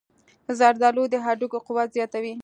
زردآلو د هډوکو قوت زیاتوي.